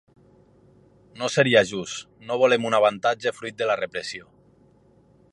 No seria just, no volem un avantatge fruit de la repressió.